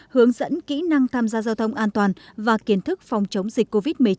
hướng dẫn kỹ năng tham gia giao thông an toàn và kiến thức phòng chống dịch covid một mươi chín